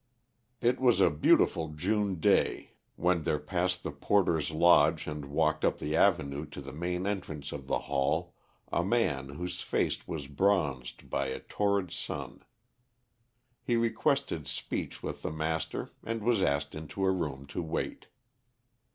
It was a beautiful June day, when there passed the porter's lodge and walked up the avenue to the main entrance of the Hall a man whose face was bronzed by a torrid sun. He requested speech with the master and was asked into a room to wait.